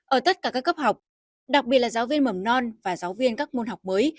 ở tất cả các cấp học đặc biệt là giáo viên mầm non và giáo viên các môn học mới